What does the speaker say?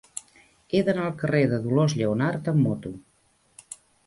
He d'anar al carrer de Dolors Lleonart amb moto.